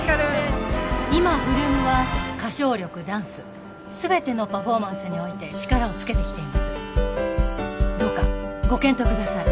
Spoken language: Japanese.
今８ＬＯＯＭは歌唱力ダンス全てのパフォーマンスにおいて力をつけてきていますどうかご検討ください